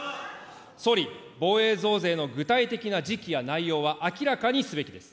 総理、防衛増税の具体的な時期や内容は明らかにすべきです。